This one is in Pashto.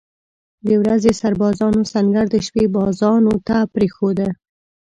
د ورځې سربازانو سنګر د شپې سربازانو ته پرېښوده.